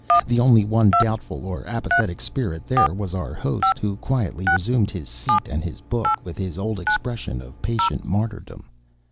The only one doubtful or apathetic spirit there was our host, who quietly resumed his seat and his book, with his old expression of patient martyrdom.